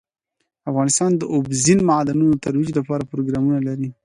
افغانستان د اوبزین معدنونه د ترویج لپاره پروګرامونه لري.